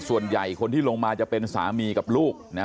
ชาวบ้านในพื้นที่บอกว่าปกติผู้ตายเขาก็อยู่กับสามีแล้วก็ลูกสองคนนะฮะ